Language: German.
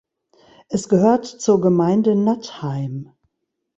Es gehört zur Gemeinde Nattheim.